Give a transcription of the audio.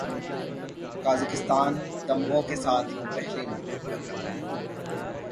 Kazakhstan تمغوں کے ساتھ پہلے نمبر پر رہا